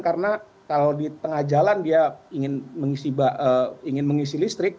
karena kalau di tengah jalan dia ingin mengisi listrik